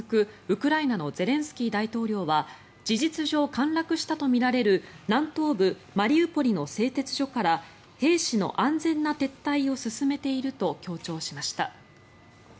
ウクライナのゼレンスキー大統領は事実上陥落したとみられる南東部マリウポリの製鉄所から兵士の安全な撤退を進めていると強調しました。